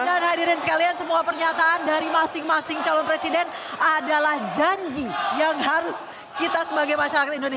hadirin sekalian semua pernyataan dari masing masing calon presiden adalah janji yang harus kita sebagai masyarakat indonesia